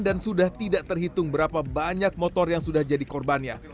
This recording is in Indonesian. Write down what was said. dan sudah tidak terhitung berapa banyak motor yang sudah jadi korbannya